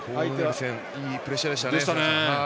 いいプレッシャーでしたね。